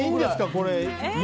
これ。